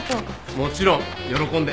もちろん喜んで。